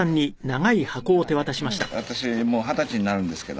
私もう二十歳になるんですけど。